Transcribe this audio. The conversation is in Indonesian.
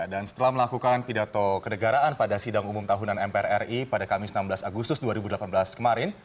dan setelah melakukan pidato kedegaraan pada sidang umum tahunan mprri pada kamis enam belas agustus dua ribu delapan belas kemarin